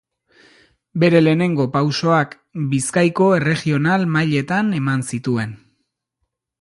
Bere lehenengo pausoak Bizkaiko Erregional Mailetan eman zituen.